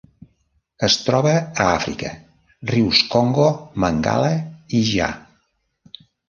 Es troba a Àfrica: rius Congo, Mangala i Ja.